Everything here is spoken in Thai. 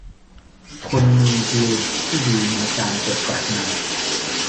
คุณมีดีลที่ดีในการตรวจสอบงาน